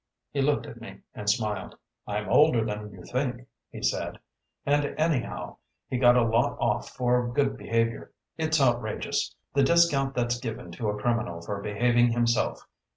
He looked at me and smiled. "I'm older than you think," he said, "and, anyhow, he got a lot off for good behavior. It's outrageous, the discount that's given to a criminal for behaving himself.